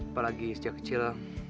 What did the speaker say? apalagi sejak kecil